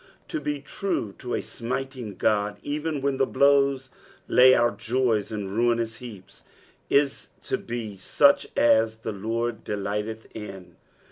To be true to a emiting God, even when the blows lay our joys in ruinous heaps, is to be such as the Lord delighteth in.